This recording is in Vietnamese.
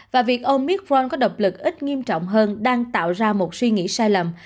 và việc omicron có độc lực ít nghiêm trọng hơn đang tạo ra một suy nghĩ sai lầm